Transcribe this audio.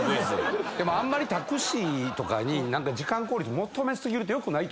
あんまりタクシーとかに時間効率求め過ぎると良くない。